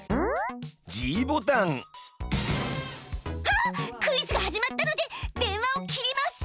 「あっクイズが始まったので電話を切ります！」。